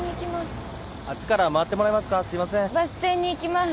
バス停に行きます。